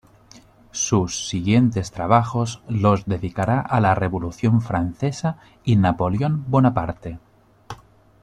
Sus siguientes trabajos los dedicará a la Revolución francesa y Napoleón Bonaparte.